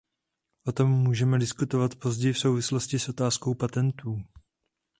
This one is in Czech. O tom můžeme diskutovat později v souvislosti s otázkou patentů.